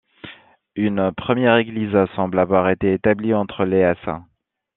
Une première église semble avoir été établie entre les s.